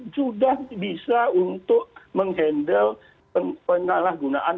sudah bisa untuk menghandle penyalahgunaan